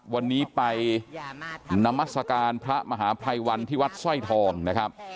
วันนี้ไปนามัศกาลพระมหาภัยวันที่วัดสร้อยทองนะครับ